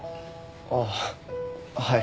ああはい。